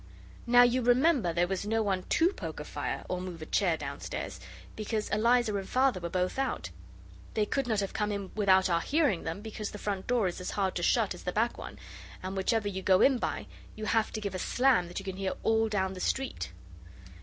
Now, you remember there was no one to poke a fire or move a chair downstairs, because Eliza and Father were both out. They could not have come in without our hearing them, because the front door is as hard to shut as the back one, and whichever you go in by you have to give a slam that you can hear all down the street.